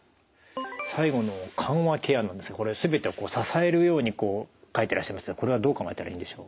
最後の緩和ケアなんですがこれ全てを支えるように書いてらっしゃいましたがこれはどう考えたらいいんでしょう？